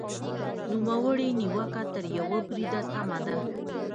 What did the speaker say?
نوموړې نیوکه تر یوه بریده سمه ده.